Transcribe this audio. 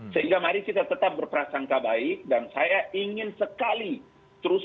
sehingga mari kita tetap berprasangka baik dan saya ingin sekali terus